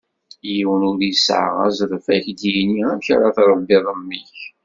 Yiwen ur yesεa azref ad k-d-yini amek ara tṛebbiḍ mmi-k.